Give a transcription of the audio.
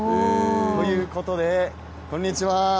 ということで、こんにちは。